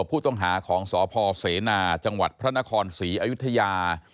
ผู้ต้องหาของสพเสนาจังหวัดพระนครศรีอยุธยา